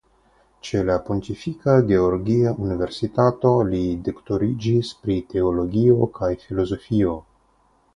Ĉe la Pontifika Gregoria Universitato li doktoriĝis pri teologio kaj filozofio.